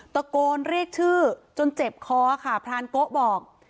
ตะโกนเรียกชื่อจนเจ็บคอค่ะพรานโกะบอก